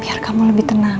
biar kamu lebih tenang